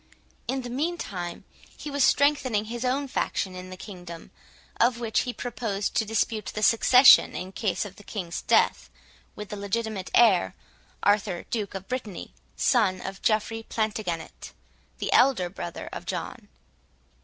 In the meantime, he was strengthening his own faction in the kingdom, of which he proposed to dispute the succession, in case of the King's death, with the legitimate heir, Arthur Duke of Brittany, son of Geoffrey Plantagenet, the elder brother of John.